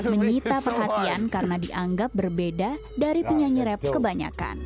menyita perhatian karena dianggap berbeda dari penyanyi rap kebanyakan